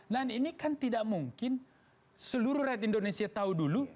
dan ini kan tidak mungkin seluruh rat indonesia tahu dulu